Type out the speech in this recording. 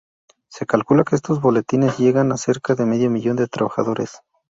Se calcula que estos boletines llegan a cerca de medio millón de trabajadores.